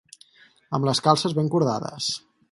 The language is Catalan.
Amb les calces ben cordades.